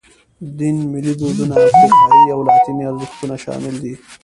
دین، ملي دودونه، افریقایي او لاتیني ارزښتونه شامل دي.